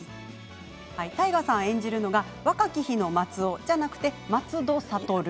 太賀さん演じるのが若き日の松尾じゃなくて松戸諭。